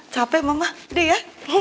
capek mama udah ya